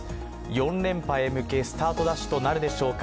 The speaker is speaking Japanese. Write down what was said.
４連覇へ向け、スタートダッシュとなるのでしょうか。